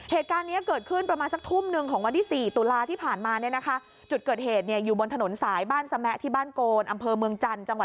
เหตุการณ์นี้เกิดขึ้นประมาณทุ่มหนึ่ง